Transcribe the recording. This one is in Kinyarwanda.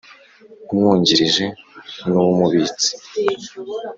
Umwungirije n uw umubitsi